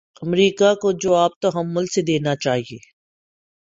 امریکہ کو جواب تحمل سے دینا چاہیے۔